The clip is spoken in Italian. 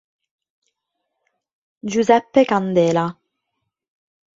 Giuseppe Candela